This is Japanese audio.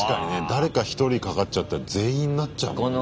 誰か１人かかっちゃったら全員なっちゃうもんな。